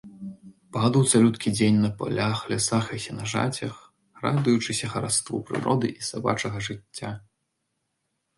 Падаў цалюткі дзень на палях, лясах і сенажацях, радуючыся хараству прыроды і сабачага жыцця.